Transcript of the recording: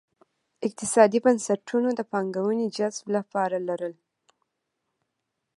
اقتصادي بنسټونو د پانګونې جذب لپاره لرل.